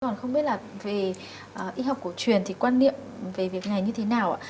còn không biết là về y học cổ truyền thì quan niệm về việc này như thế nào ạ